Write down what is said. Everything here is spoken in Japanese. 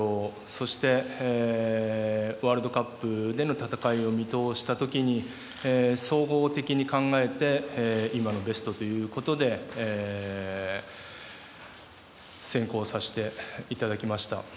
そして、ワールドカップでの戦いを見通した時に総合的に考えて今のベストということで選考させていただきました。